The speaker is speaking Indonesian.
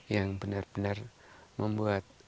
yang benar benar membuat